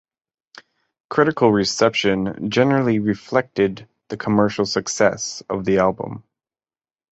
Critical reception generally reflected the commercial success of the album.